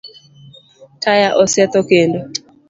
Taya osetho kendo?